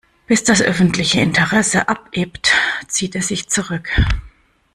Bis das öffentliche Interesse abebbt, zieht er sich zurück.